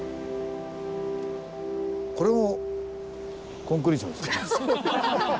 これもコンクリーションですか？